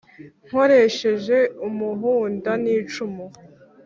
nkoresheje muhunda n'icumu.